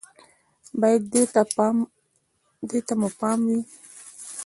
بايد دې ته مو پام وي